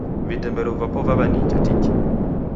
Vitemberu vapo vaw'enija tiki